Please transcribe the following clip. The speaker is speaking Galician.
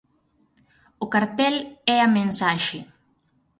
O cartel é a mensaxe.